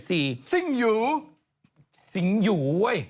ซิ่งหยูสิงหยูเว้ย